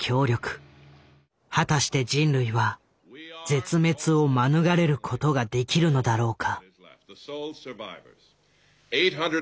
果たして人類は絶滅を免れることができるのだろうか。